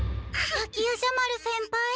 滝夜叉丸先輩。